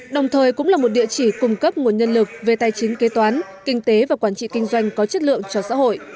đồng thời cũng là một địa chỉ cung cấp nguồn nhân lực về tài chính kế toán kinh tế và quản trị kinh doanh có chất lượng cho xã hội